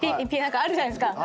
あるじゃないですか。